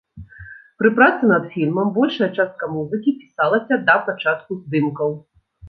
Пры працы над фільмам большая частка музыкі пісалася да пачатку здымкаў.